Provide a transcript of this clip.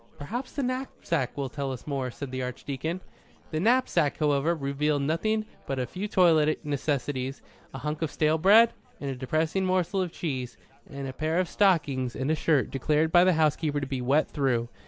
"Perhaps the knapsack will tell us more," said the Archdeacon. The knapsack, however, revealed nothing but a few toilet necessaries, a hunk of stale bread and a depressing morsel of cheese, and a pair of stockings and a shirt declared by the housekeeper to be wet through.